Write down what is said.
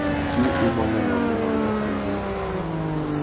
Tsi i buandanamú wandachia ungúná.